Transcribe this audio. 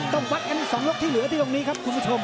ต้องวัดกัน๒ยกที่เหลือที่ตรงนี้ครับคุณผู้ชม